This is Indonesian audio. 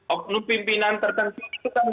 oknum pimpinan tertentu itu